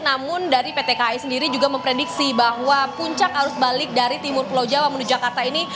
namun dari pt kai sendiri juga memprediksi bahwa puncak arus balik dari timur pulau jawa menuju jakarta ini